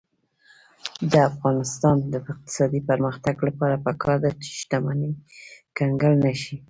د افغانستان د اقتصادي پرمختګ لپاره پکار ده چې شتمني کنګل نشي.